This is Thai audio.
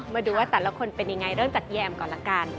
มาดูว่าแต่ละคนเป็นยังไงเริ่มจากแยมก่อนละกัน